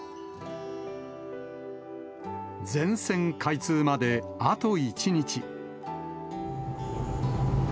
全線開通まであと１日。